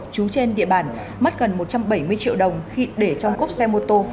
trú trên địa bàn mất gần một trăm bảy mươi triệu đồng khi để trong cốp xe mô tô